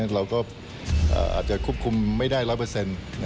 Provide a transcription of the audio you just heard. เราก็อาจจะควบคุมไม่ได้ร้อยเปอร์เซ็นต์